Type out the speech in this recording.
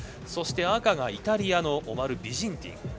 そして赤がイタリアのオマル・ビジンティン。